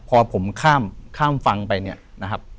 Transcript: พอผมข้ามฝั่งไปเนี่ยนะครับ